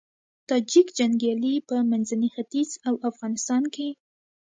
تاجیک جنګيالي په منځني ختيځ او افغانستان کې